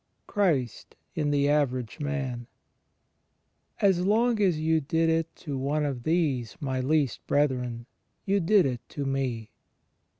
X CHRIST IN THE AVERAGE MAN As long as you did it to one of these my least brethren^ you did it to me.